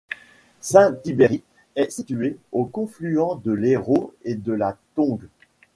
Saint-Thibéry est situé au confluent de l'Hérault et de la Thongue.